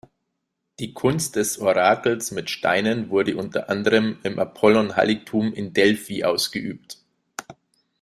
Die Kunst des Orakels mit Steinen wurde unter anderem im Apollon-Heiligtum in Delphi ausgeübt.